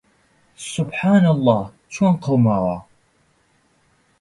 سوبحانەڵڵا چۆن قەوماوە!